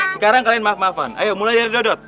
sekarang kalian maaf maafan ayo mulai dari dodot